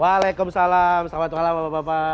waalaikumsalam selamat malam bapak bapak